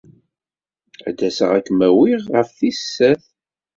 Ad d-aseɣ ad kem-awiɣ ɣef tis sat.